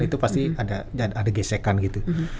itu pasti ada gesekan gitu